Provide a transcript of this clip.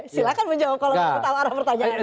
silahkan menjawab kalau tahu arah pertanyaannya